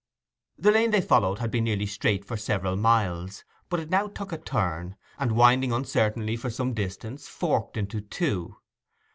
The lane they followed had been nearly straight for several miles, but it now took a turn, and winding uncertainly for some distance forked into two.